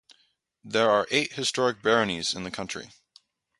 There are eight historic baronies in the county.